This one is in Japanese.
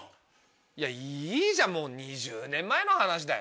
いやいいじゃんもう２０年前の話だよ？